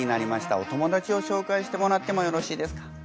お友達を紹介してもらってもよろしいですか。